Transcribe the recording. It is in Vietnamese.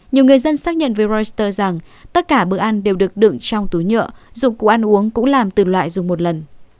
nhiều người dân xác nhận với reuters rằng tất cả bữa ăn đều được đựng trong túi nhựa dụng cụ ăn uống cũng làm từ loại dùng một lần